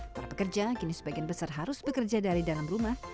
para pekerja kini sebagian besar harus bekerja dari dalam rumah